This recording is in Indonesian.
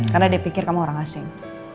karena dia pikir kamu orang asing